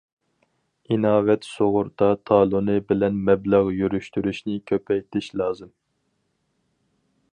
ئىناۋەت سۇغۇرتا تالونى بىلەن مەبلەغ يۈرۈشتۈرۈشنى كۆپەيتىش لازىم.